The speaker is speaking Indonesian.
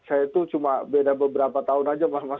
saya itu cuma beda beberapa tahun aja mas mas